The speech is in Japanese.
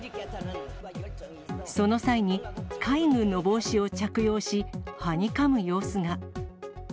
その際に、海軍の防止を着用しはにかむ様子が。